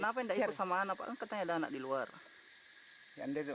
tugas yang pertama ini adalah memiliki atau n goreng gijal industry ini